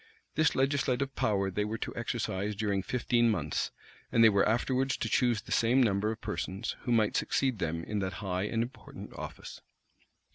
This legislative power they were to exercise during fifteen months; and they were afterwards to choose the same number of persons, who might succeed them in that high and important office.